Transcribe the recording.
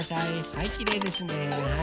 はいきれいですね。